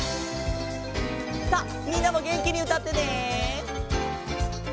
さあみんなもげんきにうたってね！